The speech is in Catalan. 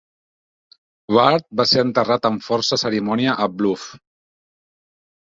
Ward va ser enterrat amb força cerimònia a Bluff.